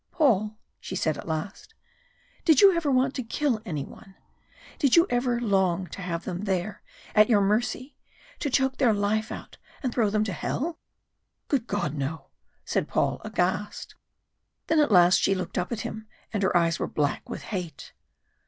"Paul," she said at last, "did you ever want to kill any one? Did you ever long to have them there at your mercy, to choke their life out and throw them to hell?" "Good God, no!" said Paul aghast. Then at last she looked up at him, and her eyes were black with hate.